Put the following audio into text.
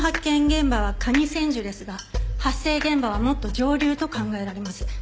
現場は上千住ですが発生現場はもっと上流と考えられます。